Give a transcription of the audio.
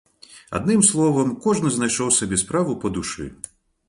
Адным словам, кожны знайшоў сабе справу па душы.